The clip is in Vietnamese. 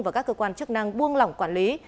và các cơ quan chức năng buông lỏng quản lý